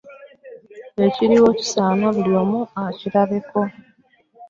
Ekiriwo kisaana buli omu akirabeko.